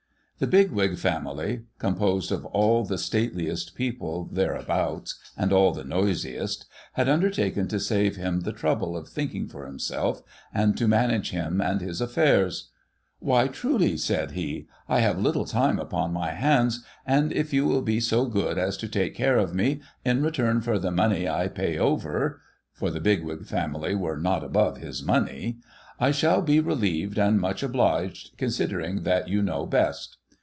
The Bigwig family (composed of all the stateliest people there abouts, and all the noisiest) had undertaken to save him the trouble of thinking for himself, and to manage him and his affairs. ' ^^'hy truly,' said he, ' I have little time upon my hands ; and if you will be so good as to take care of me, in return for the money I pay over '— 56 NOBODY'S STORY for the Bigwig family were not above his money —' I shall be relieved and much obliged, considering that you know best.'